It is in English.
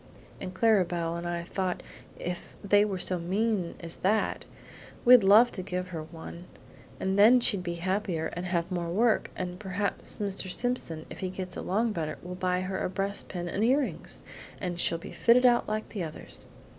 And Clara Belle and I thought if they were so mean as that, we'd love to give her one, and then she'd be happier and have more work; and perhaps Mr. Simpson if he gets along better will buy her a breast pin and earrings, and she'll be fitted out like the others.